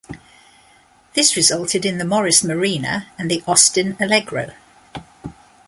This resulted in the Morris Marina and the Austin Allegro.